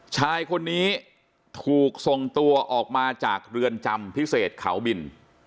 ชายคนนี้ถูกส่งตัวออกมาจากเรือนจำพิเศษเขาบิน